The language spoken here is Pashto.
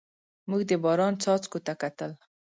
موږ د باران څاڅکو ته کتل.